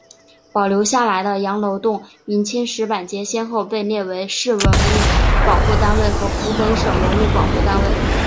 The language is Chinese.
保留下来的羊楼洞明清石板街先后被列为市文物保护单位和湖北省文物保护单位。